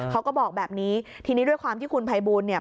เขาก็บอกแบบนี้ทีนี้ด้วยความที่คุณภัยบูลเนี่ย